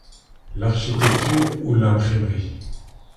L'architecture ou l'imprimerie?